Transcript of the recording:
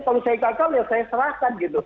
kalau saya gagal ya saya serahkan gitu